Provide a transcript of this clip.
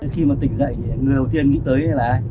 khi mà tỉnh dậy người đầu tiên nghĩ tới là ai